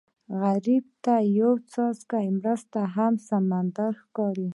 غریب ته یو څاڅکی مرسته هم سمندر ښکاري